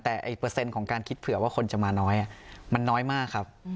แต่เปอร์เซ็นต์ของการคิดเผื่อว่าคนจะมาน้อยมันน้อยมากครับ